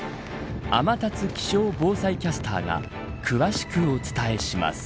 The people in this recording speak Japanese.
天達気象防災キャスターが詳しくお伝えします。